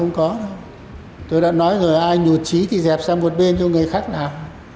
không có đâu tôi đã nói rồi ai nhụt trí thì dẹp sang một bên cho người khác làm